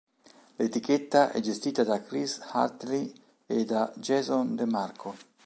L'etichetta è gestita da Chris Hartley e da Jason DeMarco.